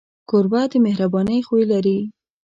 کوربه د مهربانۍ خوی لري.